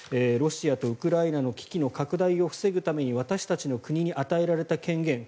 ロシアとウクライナの危機の拡大を防ぐために私たちに与えられた権限